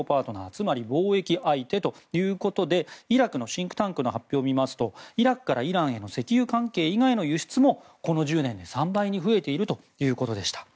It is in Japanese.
つまり、貿易相手ということでイラクのシンクタンクの発表を見ますとイラクからイランへの石油関係以外の輸出もこの１０年で３倍に増えているということでした。